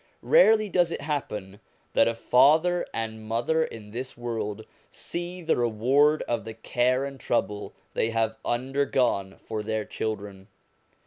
Rarely does it happen that a father and mother in this world see the reward of the care and trouble they have undergone for their children.